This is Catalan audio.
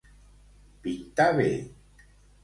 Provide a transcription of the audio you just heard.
Pintar bé.